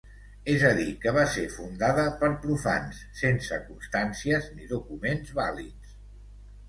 És a dir, que va ser fundada per profans sense constàncies ni documents vàlids.